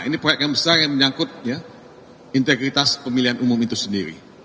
ini proyek yang besar yang menyangkut integritas pemilihan umum itu sendiri